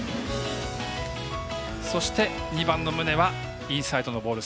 そして、２番の宗はインサイドのボール。